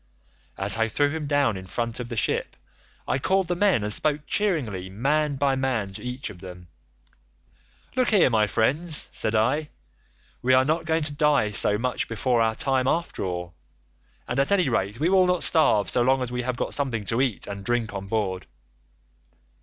As I threw him down in front of the ship, I called the men and spoke cheeringly man by man to each of them. 'Look here my friends,' said I, 'we are not going to die so much before our time after all, and at any rate we will not starve so long as we have got something to eat and drink on board.